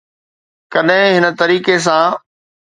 ڪڏهن هن طريقي سان.